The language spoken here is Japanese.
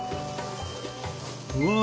うわ！